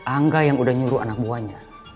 angga yang udah nyuruh anak buahnya